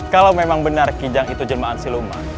kalau memang benar kijang itu jelma anarasi sakti